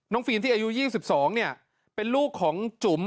ฟิล์มที่อายุ๒๒เป็นลูกของจุ๋ม